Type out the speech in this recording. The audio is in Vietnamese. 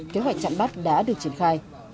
kế hoạch chặn bắt đã được triển khai